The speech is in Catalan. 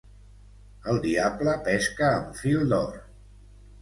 El diable pesca amb fil d'or.